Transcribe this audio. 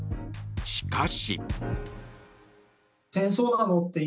しかし。